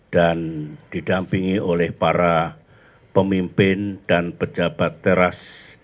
dan didampingi oleh para pemimpin dan pejabat teras